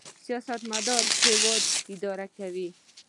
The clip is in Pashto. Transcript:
سیاستمدار هیواد اداره کوي